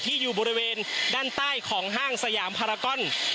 อยู่บริเวณด้านใต้ของห้างสยามพารากอน